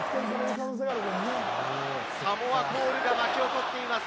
サモアコールが沸き起こっています。